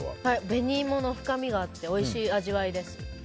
紅イモの深みがあっておいしい味わいです。